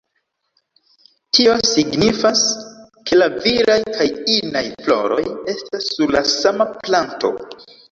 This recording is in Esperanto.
Tio signifas, ke la viraj kaj inaj floroj estas sur la sama planto.